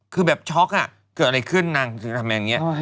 คือแบบช็อกอ่ะเกิดอะไรขึ้นนางจะทำอย่างนี้